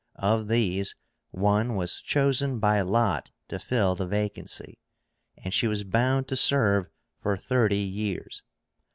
Of these one was chosen by lot to fill the vacancy, and she was bound to serve for thirty years.